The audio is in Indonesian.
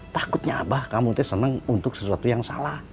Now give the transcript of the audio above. takutnya abah kamu seneng untuk sesuatu yang salah